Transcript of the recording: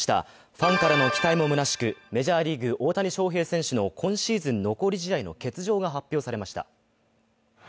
ファンからの期待もむなしく、メジャーリーグ、大谷翔平選手の今シーズン残り試合の欠場が発表されました。